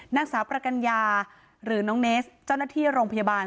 นางสาวประกัญญาหรือน้องเนสเจ้าหน้าที่โรงพยาบาล